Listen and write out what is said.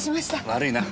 悪いな。